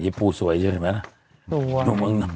ยิบปูสวยชิบไหมนะสวย